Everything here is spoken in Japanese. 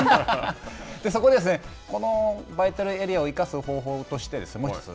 そこで、このバイタルエリアを生かす方法としてもうひとつ。